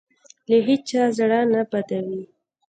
له هېچا زړه نه بدوي.